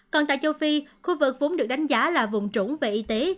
còn tại châu phi khu vực vốn được đánh giá là vùng trũng về y tế